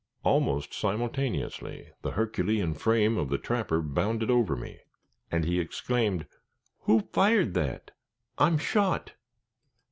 Almost simultaneously, the herculean frame of the trapper bounded over me, and he exclaimed: "Who fired that? I'm shot."